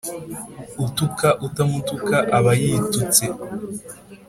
Utuka utamutuka aba yitutse.